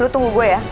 oke lo tunggu gue ya